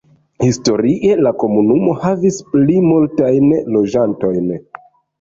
Historie la komunumo havis pli multajn loĝantojn.